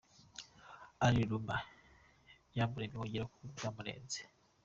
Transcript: Alain Numa byamurenze wongere ngo byamurenze.